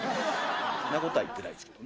んなことは言ってないですけどねええ。